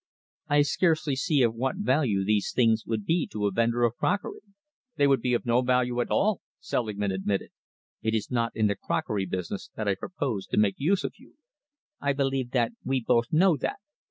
"I scarcely see of what value these things would be to a vendor of crockery." "They would be of no value at all," Selingman admitted. "It is not in the crockery business that I propose to make use of you. I believe that we both know that.